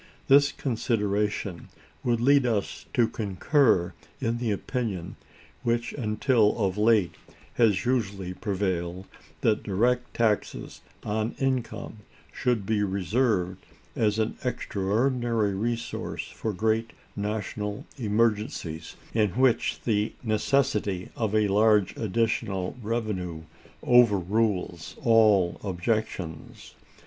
This consideration would lead us to concur in the opinion which, until of late, has usually prevailed—that direct taxes on income should be reserved as an extraordinary resource for great national emergencies, in which the necessity of a large additional revenue overrules all objections.